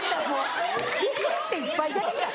びっくりしていっぱい出てきた。